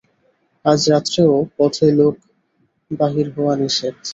আজ রাত্রেও পথে লোক বাহির হওয়া নিষেধ।